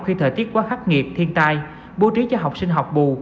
khi thời tiết quá khắc nghiệt thiên tai bố trí cho học sinh học bù